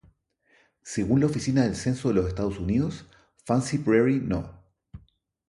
Según la Oficina del Censo de los Estados Unidos, Fancy Prairie No.